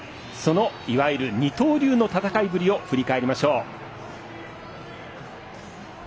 いわゆる二刀流の戦いぶりを振り返りましょう。